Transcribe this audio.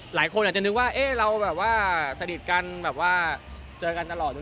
หลายคนอาจจะนึกว่าเราแบบว่าสดิทรกันเจอกันตลอด